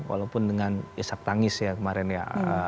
walaupun dengan isap tangis ya kemarin ya